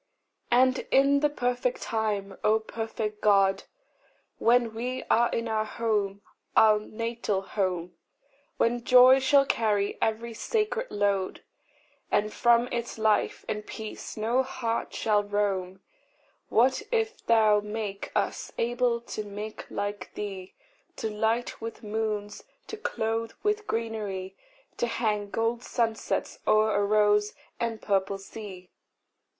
And in the perfect time, O perfect God, When we are in our home, our natal home, When joy shall carry every sacred load, And from its life and peace no heart shall roam, What if thou make us able to make like thee To light with moons, to clothe with greenery, To hang gold sunsets o'er a rose and purple sea!